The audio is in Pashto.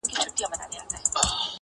• یا مي خدایه ژوند له آسه برابر کړې -